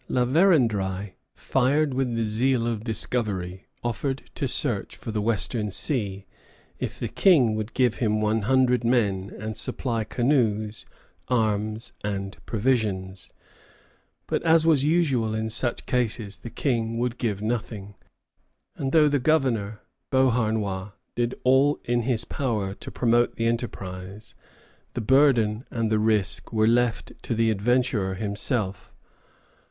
La Vérendrye, fired with the zeal of discovery, offered to search for the Western Sea if the King would give him one hundred men and supply canoes, arms, and provisions. [Footnote: Relation de Degonnor: Beauharnois au Ministre, 1 Oct. 1731.] But, as was usual in such cases, the King would give nothing; and though the Governor, Beauharnois, did all in his power to promote the enterprise, the burden and the risk were left to the adventurer himself.